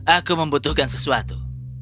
aku membutuhkan sesuatu